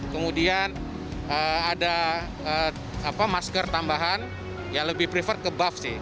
kemudian ada masker tambahan yang lebih prefer ke buff sih